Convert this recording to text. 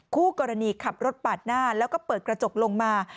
คู่กรณีขับรถปาดหน้าแล้วก็เปิดกระจกลงมา